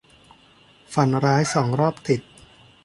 ฝันร้ายสองรอบติด